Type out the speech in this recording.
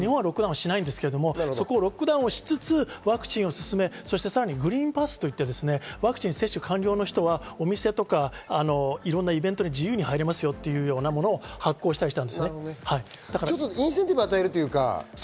日本はロックダウンはしないんですけど、そこをロックダウンしつつワクチンを進め、さらにグリーンパスと言って、ワクチン接種完了の人はお店とか、いろんなイベントに自由に入れますよというものを発行したりした。